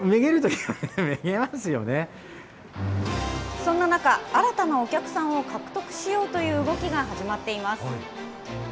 そんな中、新たなお客さんを獲得しようという動きが始まっています。